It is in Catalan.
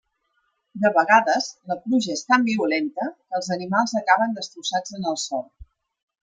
De vegades, la pluja és tan violenta, que els animals acaben destrossats en el sòl.